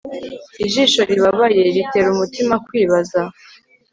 ijisho ribabaye ritera umutima kwibaza